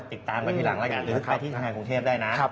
ติดตามกันทีหลังแล้วหรือไปที่ทางโรงเทพได้นะครับ